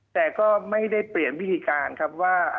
แต่ก็ไม่ได้เปลี่ยนวิธีการครับว่า